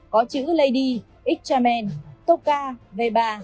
có chữ lady x chaman tocqueen v ba